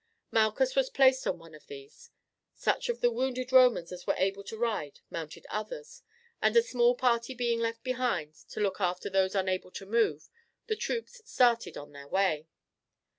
Malchus was placed on one of these. Such of the wounded Romans as were able to ride mounted others, and a small party being left behind to look after those unable to move, the troops started on their way.